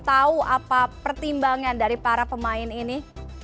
dan tahu apa pertimbangan dari para pemain ini